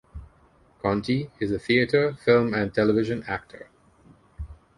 Conti is a theatre, film and television actor.